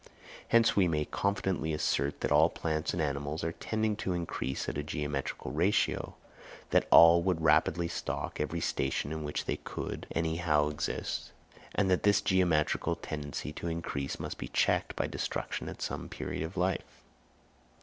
Hence we may confidently assert that all plants and animals are tending to increase at a geometrical ratio—that all would rapidly stock every station in which they could any how exist, and that this geometrical tendency to increase must be checked by destruction at some period of life.